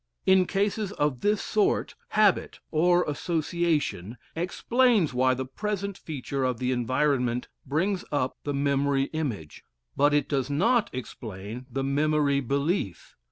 In cases of this sort, habit (or association) explains why the present feature of the environment brings up the memory image, but it does not explain the memory belief.